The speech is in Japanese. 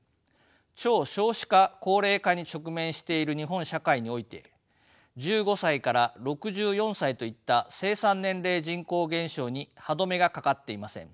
超少子化・高齢化に直面している日本社会において１５歳６４歳といった生産年齢人口減少に歯止めがかかっていません。